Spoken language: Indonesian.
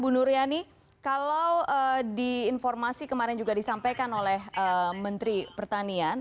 bu nur yani kalau di informasi kemarin juga disampaikan oleh menteri pertanian